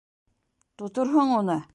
Тоторһоң уны!